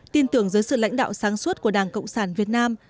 tin tưởng dưới sự lãnh đạo sáng suốt của đảng cộng sản việt nam